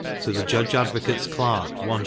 to the judge advocate's clerk 1s.